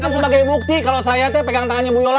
ini sebagai bukti kalau saya pegang tangannya bu yola